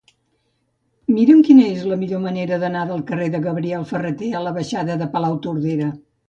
Mira'm quina és la millor manera d'anar del carrer de Gabriel Ferrater a la baixada de Palautordera.